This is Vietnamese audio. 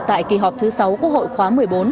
tại kỳ họp thứ sáu quốc hội khóa một mươi bốn